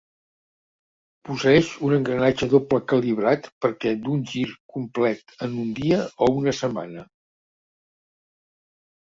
Posseïx un engranatge doble calibrat perquè d'un gir complet en un dia o una setmana.